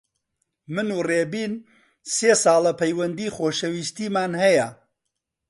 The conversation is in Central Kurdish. من و ڕێبین سێ ساڵە پەیوەندیی خۆشەویستیمان هەیە.